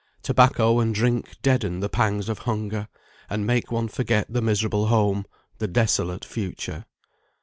Tobacco and drink deaden the pangs of hunger, and make one forget the miserable home, the desolate future.